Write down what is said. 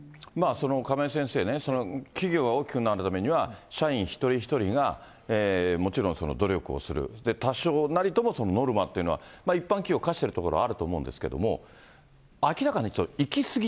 亀井先生ね、企業が大きくなるためには社員一人一人がもちろん努力をする、多少なりともノルマというのは、一般企業、課してるところあると思うんですけれども、明らかに行き過ぎ。